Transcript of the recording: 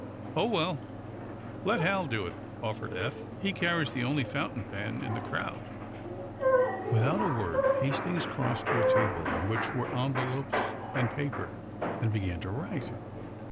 "Oh, well, let Hal do it," offered Eph. "He carries the only fountain pen in the crowd." Without a word Hastings crossed to a table on which were envelopes and paper, and began to write.